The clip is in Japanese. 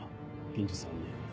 銀次さんに。